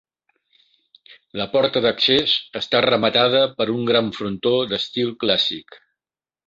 La porta d'accés està rematada per un gran frontó d'estil clàssic.